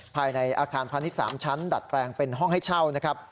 ภายในอาคารพาณิชย์๓ชั้นดัดแปลงเป็นห้องให้เช่านะครับ